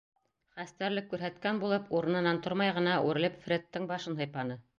Хәстәрлек күрһәткән булып, урынынан тормай ғына үрелеп Фредтың башын һыйпаны.